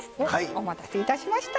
お待たせいたしました。